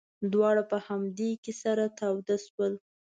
دواړه په همدې کې سره تود شول.